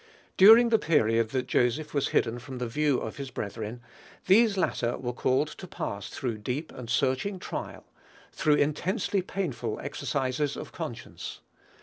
During the period that Joseph was hidden from the view of his brethren, these latter were called to pass through deep and searching trial, through intensely painful exercises of conscience.